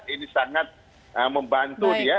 ini sangat membantu dia